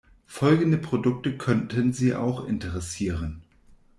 Folgende Produkte könnten Sie auch interessieren.